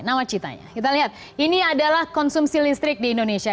nawacitanya kita lihat ini adalah konsumsi listrik di indonesia